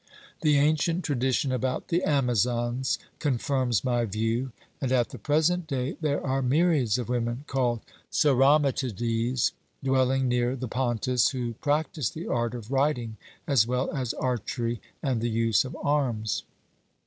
The ancient tradition about the Amazons confirms my view, and at the present day there are myriads of women, called Sauromatides, dwelling near the Pontus, who practise the art of riding as well as archery and the use of arms.